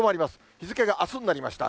日付があすになりました。